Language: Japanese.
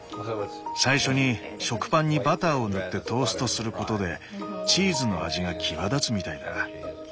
最初に食パンにバターを塗ってトーストすることでチーズの味が際立つみたいだ。